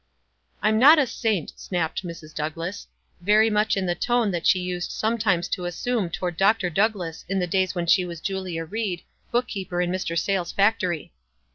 "I'm not a saint," snapped Mrs. Douglass, very much in the tone that she used sometimes to assume toward Dr. Douglass in the days when she was Julia Ried, book keeper in Mr Sayles* factory.